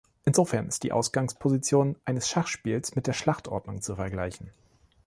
Insofern ist die Ausgangsposition eines Schachspiels mit der Schlachtordnung zu vergleichen.